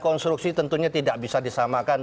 konstruksi tentunya tidak bisa disamakan